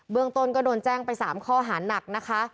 เมืองต้นก็โดนแจ้งไป๓ข้อหานักนะคะ